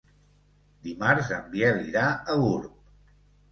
Dimarts en Biel irà a Gurb.